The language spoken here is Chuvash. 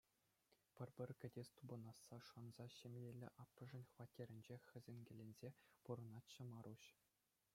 Пӗр-пӗр кӗтес тупӑнасса шанса ҫемьеллӗ аппӑшӗн хваттерӗнче хӗсӗнкелесе пурӑнатчӗ Маруҫ.